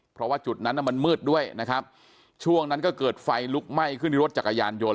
เพราะว่าจุดนั้นมันมืดด้วยนะครับช่วงนั้นก็เกิดไฟลุกไหม้ขึ้นที่รถจักรยานยนต